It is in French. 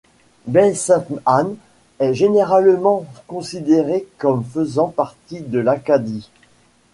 Baie-Sainte-Anne est généralement considérée comme faisant partie de l'Acadie.